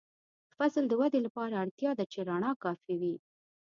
د فصل د ودې لپاره اړتیا ده چې رڼا کافي وي.